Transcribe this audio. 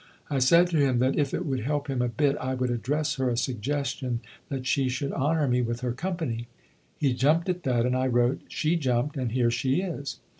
I said to him that if it would help him a bit I would address her a suggestion that she should honour me with her company. He jumped at that, and I wrote. She jumped, and here she is."